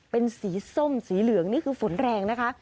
เป็นสีส้มสีเหลืองนี่คือฝนแรงนะคะ